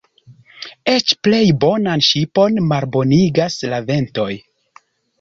Eĉ plej bonan ŝipon malbonigas la ventoj.